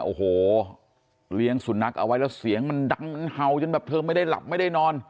โอ้โหเลี้ยงสุนัขเอาไว้แล้วเสียงมันดังมันเห่าจนแบบเธอไม่ได้หลับไม่ได้นอน